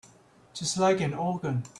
Just like an organ.